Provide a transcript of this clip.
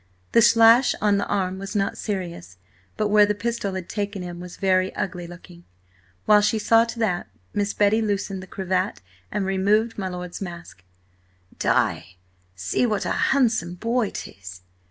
The slash on the arm was not serious, but where the pistol had taken him was very ugly looking. While she saw to that, Miss Betty loosened the cravat and removed my lord's mask. "Di, see what a handsome boy 'tis!